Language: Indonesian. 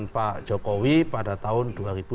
pak jokowi pada tahun dua ribu sembilan belas